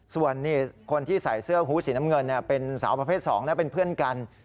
ส่วนคนที่ใส่เสื้อฮู้สีน้ำเงินเป็นสาวประเภท๒และเป็นเพื่อนกัน